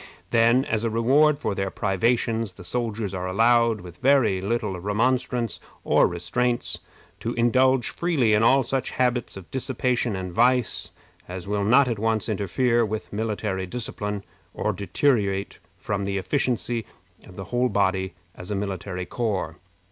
Then, as a reward for their privations, the soldiers are allowed, with very little remonstrance or restraint, to indulge freely in all such habits of dissipation and vice as will not at once interfere with military discipline, or deteriorate from the efficiency of the whole body as a military corps.